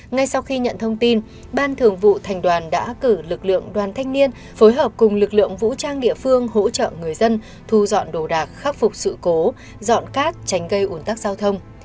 ngay sau khi nhận thông tin ban thường vụ thành đoàn đã cử lực lượng đoàn thanh niên phối hợp cùng lực lượng vũ trang địa phương hỗ trợ người dân thu dọn đồ đạc khắc phục sự cố dọn cát tránh gây ủn tắc giao thông